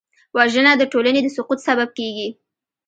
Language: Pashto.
وژنه د ټولنې د سقوط سبب کېږي